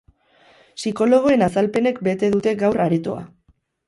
Psikologoen azalpenek bete dute gaur aretoa.